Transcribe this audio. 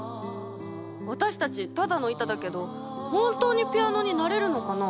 私たちただの板だけど本当にピアノになれるのかな？